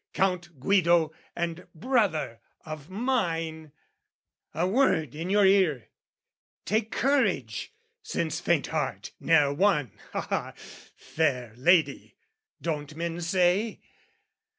Count Guido and brother of mine, "A word in your ear! Take courage since faint heart "Ne'er won...aha, fair lady, don't men say?